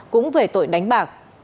cũng về tội đánh bạc